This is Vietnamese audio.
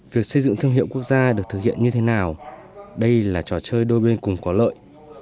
việc xây dựng thương hiệu quốc gia được thực hiện như thế nào đây là trò chơi đôi bên cùng có lợi